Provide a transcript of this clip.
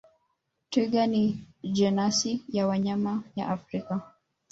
Twiga ni jenasi ya wanyama ya Afrika